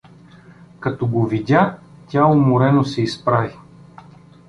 Като го видя, тя уморено се изправи.